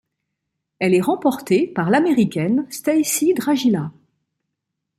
Elle est remportée par l'Américaine Stacy Dragila.